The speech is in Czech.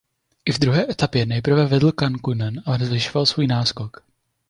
I v druhé etapě nejprve vedl Kankkunen a zvyšoval svůj náskok.